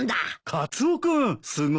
カツオ君すごいね。